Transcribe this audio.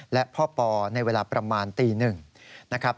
และพ่อปอในเวลาประมาณตี๑นะครับ